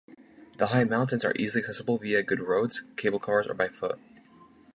The high mountains are easily accessible via good roads, cable cars or by foot.